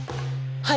はい！